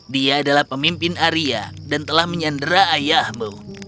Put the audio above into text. dia adalah pemimpin arya dan telah menyandera ayahmu